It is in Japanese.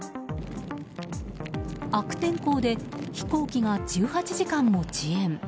悪天候で飛行機が１８時間も遅延。